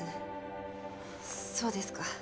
そうですか。